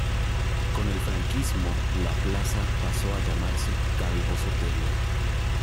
Con el franquismo la plaza pasó a llamarse Calvo Sotelo.